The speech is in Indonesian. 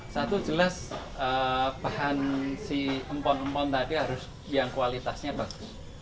satu jelas bahan si empon empon tadi harus yang kualitasnya bagus